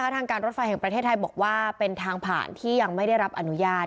ทางการรถไฟแห่งประเทศไทยบอกว่าเป็นทางผ่านที่ยังไม่ได้รับอนุญาต